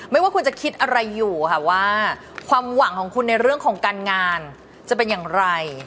ไม่ว่าคุณจะคิดอะไรอยู่ค่ะว่าความหวังของคุณในเรื่องของการงานจะเป็นอย่างไร